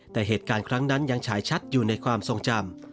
แต่เหตุการณ์ครั้งนั้นยังฉายชัดอยู่ในความทรงจำ